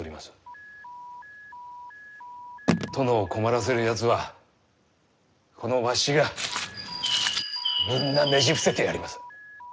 殿を困らせるやつはこのわしがみんなねじ伏せてやります。